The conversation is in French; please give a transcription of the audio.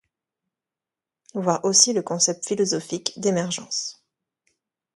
Voir aussi le concept philosophique d'émergence.